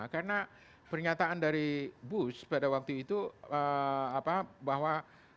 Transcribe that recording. karena pernyataan dari bush pada waktu itu bahwa